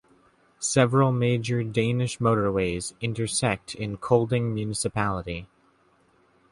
Several major Danish motorways intersect in Kolding municipality.